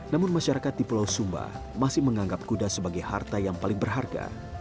namun masyarakat di pulau sumba masih menganggap kuda sebagai harta yang paling berharga